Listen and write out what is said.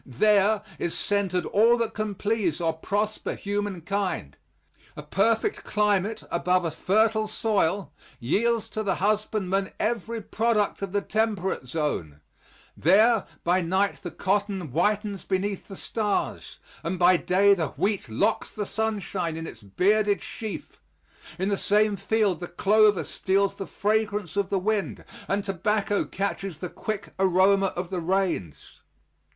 There is centered all that can please or prosper humankind. A perfect climate above a fertile soil yields to the husbandman every product of the temperate zone. There, by night the cotton whitens beneath the stars, and by day the wheat locks the sunshine in its bearded sheaf. In the same field the clover steals the fragrance of the wind, and tobacco catches the quick aroma of the rains.